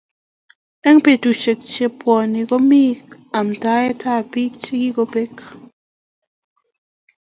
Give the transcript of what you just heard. Eng betusiek che bwone komi amndaet ab biik chikikobek